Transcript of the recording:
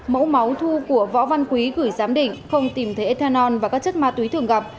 mẫu máu thu của võ văn quý gửi giám định không tìm thấy ethanol và các chất ma túy thường gặp